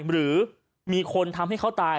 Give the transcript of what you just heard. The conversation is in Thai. หรือมีคนทำให้เขาตาย